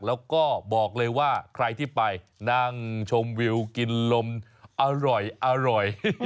แล้วก็บอกเลยว่าใครที่ไปนั่งชมวิวกินลมอร่อย